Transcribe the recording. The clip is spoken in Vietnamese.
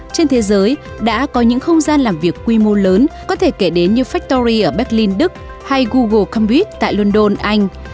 trên thế giới đã có những không gian làm việc quy mô lớn có thể kể đến như factory ở berlin đức hay google cambrid tại london anh